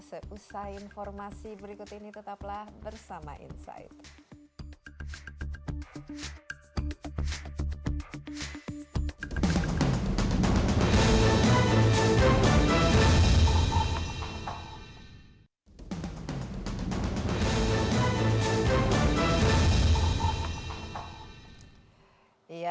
seusah informasi berikut ini tetaplah bersama insight